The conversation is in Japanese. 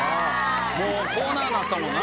コーナーになったもんな。